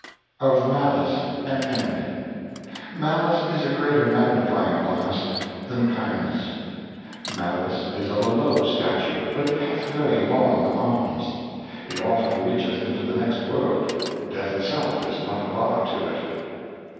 M Of Malice and Envy. ALICE is a greater Magnifying Glass than Kind ness. Malice is of a low Stature, but it hath very long Arms. It often reacheth into the next World, Death itself is not a Bar to it.